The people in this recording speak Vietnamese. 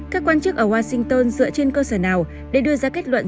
các quan chức ở washington dựa trên cơ sở nào để đưa ra kết luận